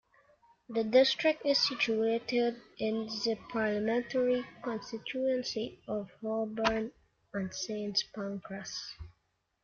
The district is situated in the parliamentary constituency of Holborn and Saint Pancras.